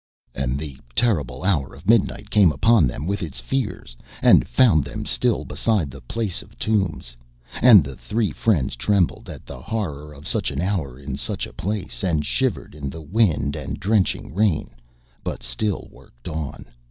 And the terrible hour of midnight came upon them with its fears, and found them still beside the place of tombs. And the three friends trembled at the horror of such an hour in such a place, and shivered in the wind and drenching rain, but still worked on.